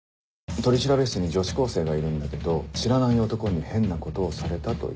取調室に女子高生がいるんだけど「知らない男に変なことをされた」と。